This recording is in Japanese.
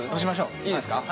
いいですか？